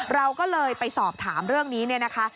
เราก็เลยไปสอบถามเรื่องนี้เนี่ยนะคะ